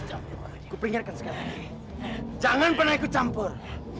aku peringatkan sekarang jangan pernah ikut campur